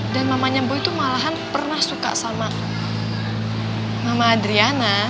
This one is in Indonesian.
dan mamanya boy itu malahan pernah suka sama mama adriana